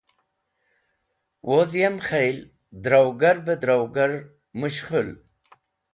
Woz yem khel, drawgar beh drawgar mũshkhũl.